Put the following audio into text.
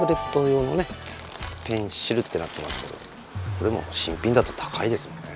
これも新品だと高いですよね。